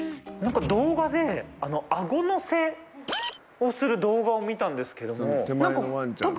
動画でアゴのせをする動画を見たんですけども。